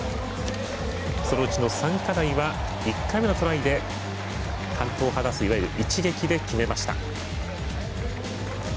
そのうちの３課題は１回目のトライで完登を果たすいわゆる一撃で決めました。